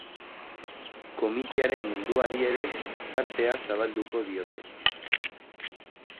Komikiaren munduari ere tartea zabalduko diote.